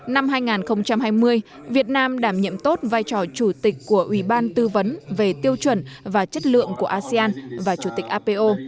năm hai nghìn hai mươi việt nam đảm nhiệm tốt vai trò chủ tịch của ủy ban tư vấn về tiêu chuẩn và chất lượng của asean và chủ tịch apo